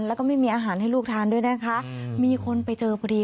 แล้วก็ไม่มีอาหารให้ลูกทานด้วยนะคะมีคนไปเจอพอดี